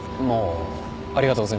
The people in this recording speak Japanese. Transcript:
ありがとうございます。